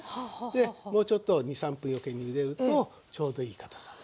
でもうちょっと２３分余計にゆでるとちょうどいいかたさになる。